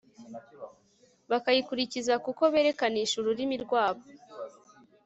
bayakurikiza kuko berekanisha ururimi rwabo